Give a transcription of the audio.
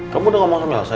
kamu udah ngomong sama yelsa